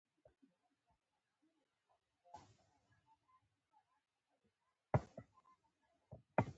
احمد يې د خره پر لکۍ سپور کړ.